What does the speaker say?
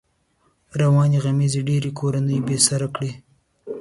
روانې غمېزې ډېری کورنۍ بې سره کړې.